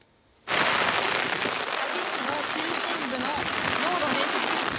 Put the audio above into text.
萩市の中心部の道路です。